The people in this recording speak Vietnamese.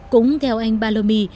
cũng theo anh balomi